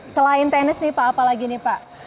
selain tenis nih pak apa lagi nih pak